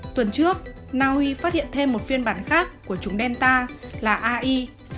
tuần trước naui phát hiện thêm một phiên bản khác của chủng delta là ai sáu mươi ba